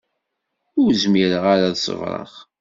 Ur zmireɣ ara ad ṣebṛeɣ.